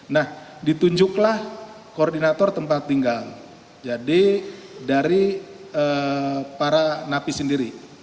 nah ditunjuklah koordinator tempat tinggal jadi dari para napi sendiri